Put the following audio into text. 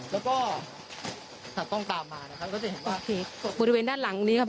แล้วก็ตัดกล้องตามมานะครับก็จะเห็นว่าบริเวณด้านหลังนี้ครับ